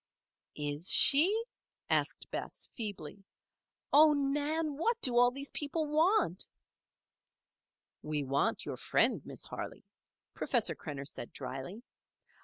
"Is she?" asked Bess, feebly. "Oh, Nan! what do all these people want?" "We want your friend, Miss Harley," Professor Krenner said drily.